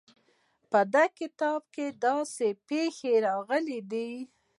په دې کتاب کې داسې پېښې راغلې دي.